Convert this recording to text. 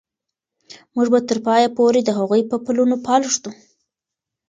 موږ به تر پایه پورې د هغوی په پلونو پل ږدو.